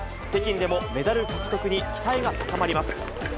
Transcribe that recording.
北京でもメダル獲得に期待が高まります。